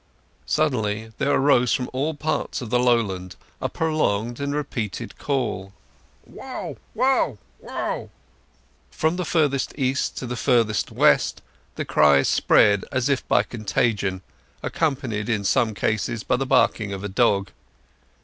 Suddenly there arose from all parts of the lowland a prolonged and repeated call—"Waow! waow! waow!" From the furthest east to the furthest west the cries spread as if by contagion, accompanied in some cases by the barking of a dog.